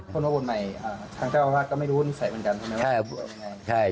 พระมวลใหม่ทางเจ้าอาวาสก็ไม่รู้นิสัยเหมือนกันใช่ไหม